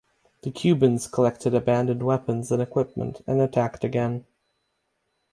The Cubans collected abandoned weapons and equipment and attacked again.